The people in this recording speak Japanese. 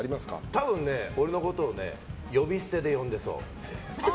多分、俺のことを呼び捨てで呼んでそう。